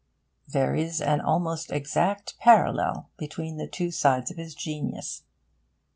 There is an almost exact parallel between the two sides of his genius.